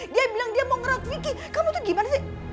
dia bilang dia mau ngerat miki kamu tuh gimana sih